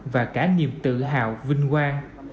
và cả niềm tự hào vinh quang